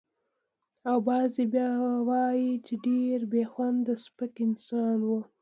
او بعضې به وايي چې ډېر بې خونده سپک انسان و.